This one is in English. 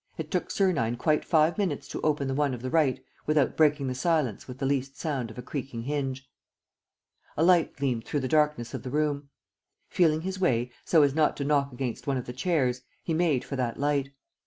It took Sernine quite five minutes to open the one of the right without breaking the silence with the least sound of a creaking hinge. A light gleamed through the darkness of the room. Feeling his way, so as not to knock against one of the chairs, he made for that light.